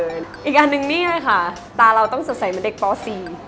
อีกอันนึงนี้ค่ะตาเราต้องจะใส่เด็กป่อซี